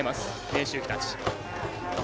明秀日立。